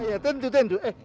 iya tentu tentu eh